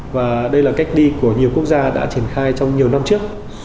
và đây là cách đi của nhiều quốc gia đã triển khai trong nhiều năm trước